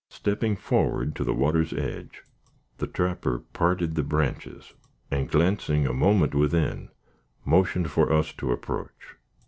Stepping forward to the water's edge, the trapper parted the branches, and glancing a moment within, motioned for us to approach.